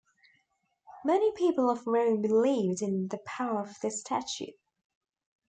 Many people of Rome believed in the power of this statue.